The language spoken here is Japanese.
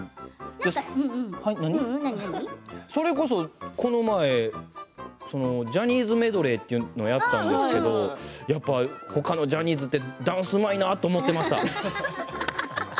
それこそ、この前ジャニーズメドレーというのをやったんですけど他のジャニーズってダンスうまいなって思ってました。